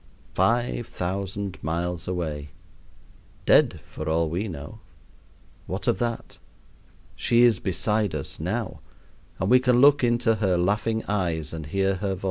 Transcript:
Five thousand miles away! Dead for all we know! What of that? She is beside us now, and we can look into her laughing eyes and hear her voice.